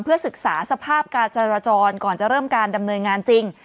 เพื่อศึกษาสภาพจรก่อนจะเริ่มการดำเนยงานจริง